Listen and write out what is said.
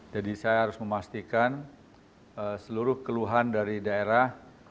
jadi saya harus memastikan seluruh keluhan dari daerah